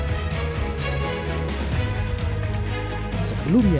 sebelumnya jokowi menyatakan sudah meresui putra sulungnya